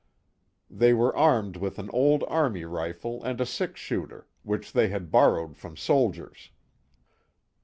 They were armed with an old army rifle and a six shooter, which they had borrowed from soldiers.